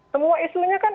semua isunya kan